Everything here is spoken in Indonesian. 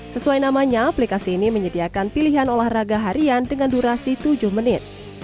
sesuai namanya aplikasi ini menyediakan pilihan olahraga harian dengan durasi tujuh menit